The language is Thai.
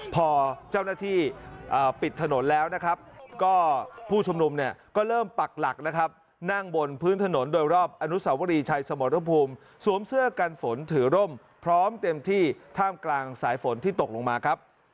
พอเจ้าหน้าที่ปิดถนนแล้วนะครับก็ผู้ชุมนุมเนี่ยก็เริ่มปักหลักนะครับนั่งบนพื้นถนนโดยรอบอนุสาวรีชัยสมรภูมิสวมเสื้อกันฝนถือร่มพร้อมเต็มที่ท่ามกลางสายฝนที่ตกลงมาครับ